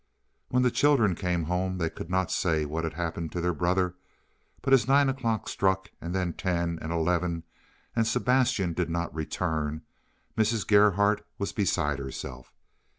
When the children came home they could not say what had happened to their brother, but as nine o'clock struck, and then ten and eleven, and Sebastian did not return, Mrs. Gerhardt was beside herself.